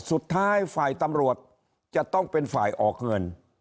สุดท้ายฝ่ายตำรวจจะต้องเป็นฝ่ายออกเงิน